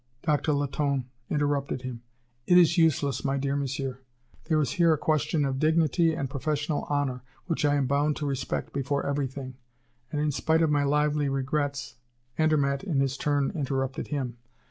Doctor Latonne interrupted him: "It is useless, my dear Monsieur. There is here a question of dignity and professional honor, which I am bound to respect before everything, and, in spite of my lively regrets " Andermatt, in his turn, interrupted him.